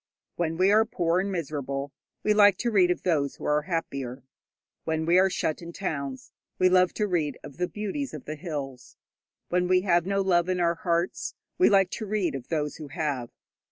When we are poor and miserable, we like to read of those who are happier. When we are shut in towns, we love to read of the beauties of the hills. When we have no love in our hearts, we like to read of those who have.